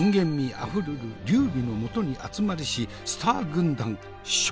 あふるる劉備のもとに集まりしスター軍団蜀。